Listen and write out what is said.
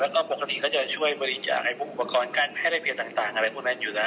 แล้วก็ปกติเขาจะช่วยบริจาคไอ้ผู้อุปกรณ์การให้ได้เพจต่างอะไรคุณนั้นอยู่นะ